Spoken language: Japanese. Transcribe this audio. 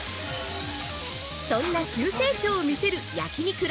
そんな急成長を見せる焼肉